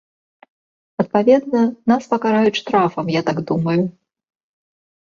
Адпаведна, нас пакараюць штрафам, я так думаю.